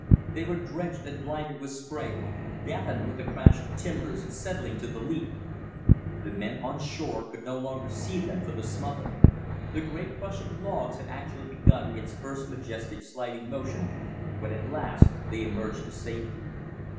They were drenched and blinded with spray, deafened with the crash of timbers settling to the leap. The men on shore could no longer see them for the smother. The great crush of logs had actually begun its first majestic sliding motion when at last they emerged to safety.